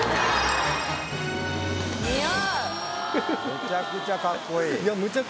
めちゃくちゃ格好いい。